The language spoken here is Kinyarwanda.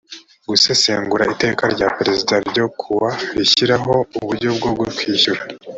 gusesengura iteka rya perezida n ryo ku wa rishyiraho uburyo bwo kwishyura